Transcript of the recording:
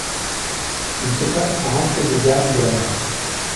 Il se place en entrée de gamme de la marque.